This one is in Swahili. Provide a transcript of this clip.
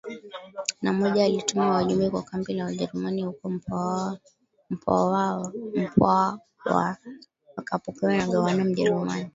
na moja alituma wajumbe kwa kambi la Wajerumani huko Mpwawa wakapokewa na gavana Mjerumani